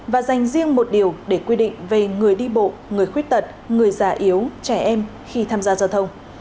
và dành riêng một điều để quy định về người đi bộ người khuyết tật người già yếu trẻ em khi tham gia giao thông